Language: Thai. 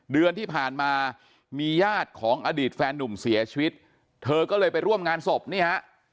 เดือนที่ผ่านมามีญาติของอดีตแฟนนุ่มเสียชีวิตเธอก็เลยไปร่วมงานศพนี่ฮะ